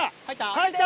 入った！